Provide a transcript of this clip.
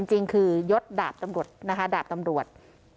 จริงคือยศดาบตำรวจนะคะดาบตำรวจ